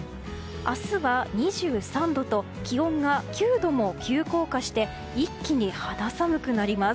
明日は２３度と気温が９度も急降下して一気に肌寒くなります。